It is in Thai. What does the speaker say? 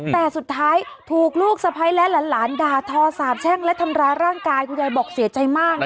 แต่สุดท้ายถูกลูกสะพ้ายและหลานด่าทอสาบแช่งและทำร้ายร่างกายคุณยายบอกเสียใจมาก